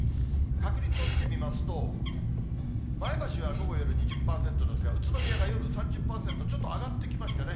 確率を見てみますと、前橋は午後、夜、２０％ですが、宇都宮が夜３０％、ちょっと上がってきましたね。